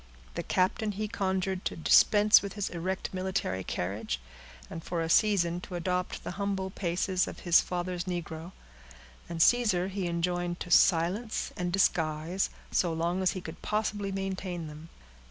The captain he conjured to dispense with his erect military carriage, and for a season to adopt the humble paces of his father's negro; and Caesar he enjoined to silence and disguise, so long as he could possibly maintain them.